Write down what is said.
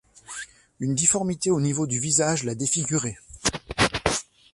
Une difformité au niveau du visage l'a défigurée.